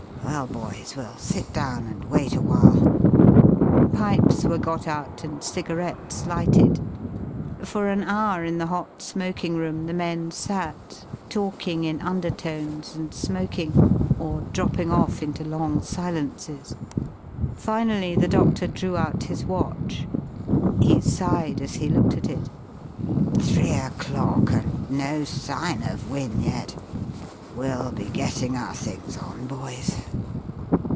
Well, boys we'll sit down and wait awhile." Pipes were got out and cigarettes lighted. For an hour in the hot smoking room the men sat, talking in undertones and smoking, or dropping off into long silences. Finally the doctor drew out his watch. He sighed as he looked at it. "Three o'clock, and no sign of Wynne yet. We'll be getting our things on, boys."